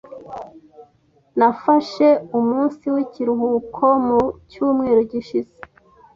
Nafashe umunsi w'ikiruhuko mu cyumweru gishize.